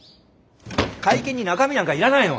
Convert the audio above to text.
会見に中身なんかいらないの！